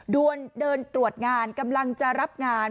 เดินตรวจงานกำลังจะรับงาน